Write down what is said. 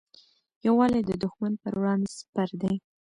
یووالی د دښمن پر وړاندې سپر دی.